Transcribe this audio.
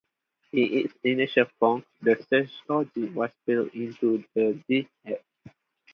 In its initial form, the search logic was built into the disk head.